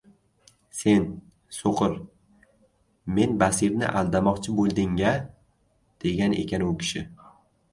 Sen — so‘qir, men basirni aldamoqchi bo‘lding-a! — degan ekan u kishi.